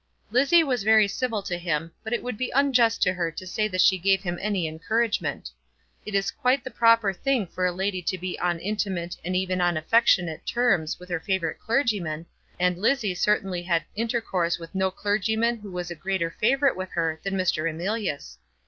Lizzie was very civil to him, but it would be unjust to her to say that she gave him any encouragement. It is quite the proper thing for a lady to be on intimate, and even on affectionate, terms with her favourite clergyman, and Lizzie certainly had intercourse with no clergyman who was a greater favourite with her than Mr. Emilius.